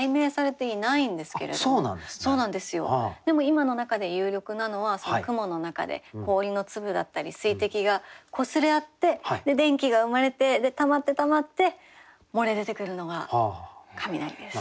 でも今の中で有力なのは雲の中で氷の粒だったり水滴がこすれ合って電気が生まれてたまってたまって漏れ出てくるのが雷です。